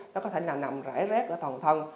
nó có thể nằm rải rác ở thần thân